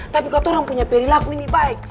tapi katorang punya perilaku ini baik